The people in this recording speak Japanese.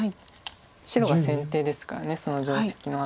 白が先手ですからその定石のあとは。